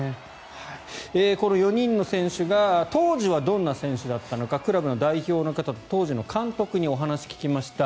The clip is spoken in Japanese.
この４人の選手が当時はどんな選手だったのかクラブの代表の方と当時の監督の方にお話を聞きました。